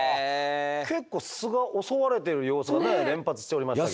結構巣が襲われてる様子がね連発しておりましたけど。